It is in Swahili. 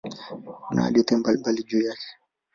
Kuna hadithi mbalimbali juu yake.